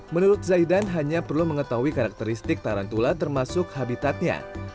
menurut zaidan hanya perlu mengetahui karakteristik tarantula termasuk habitatnya